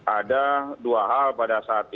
ada dua hal pada saat